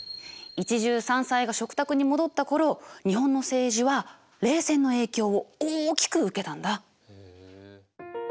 一汁三菜が食卓に戻ったころ日本の政治は冷戦の影響を大きく受けたんだ。